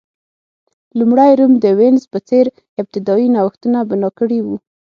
لومړی روم د وینز په څېر ابتدايي نوښتونه بنا کړي وو